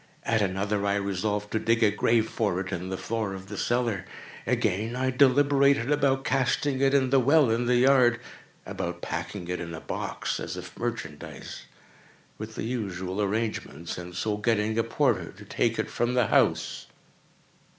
At another, I resolved to dig a grave for it in the floor of the cellar. Again, I deliberated about casting it in the well in the yard—about packing it in a box, as if merchandise, with the usual arrangements, and so getting a porter to take it from the house.